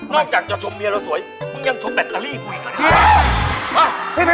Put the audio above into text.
นอกจากชมเมียเราสวยยังชมแบตเตอรี่เราอีก